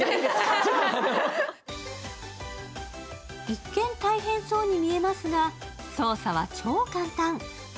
一見大変そうに見えますが操作は超簡単。